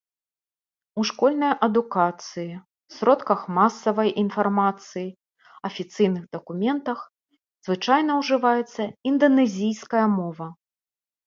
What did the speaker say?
У школьнай адукацыі, сродках масавай інфармацыі, афіцыйных дакументах звычайна ўжываецца інданезійская мова.